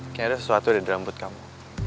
kayanya ada sesuatu ada di rambut kamu